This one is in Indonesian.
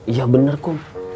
iya bener ku